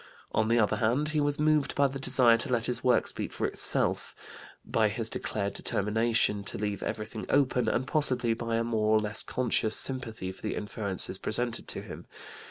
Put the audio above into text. On the other hand, he was moved by the desire to let his work speak for itself, by his declared determination to leave everything open, and possibly by a more or less conscious sympathy with the inferences presented to him.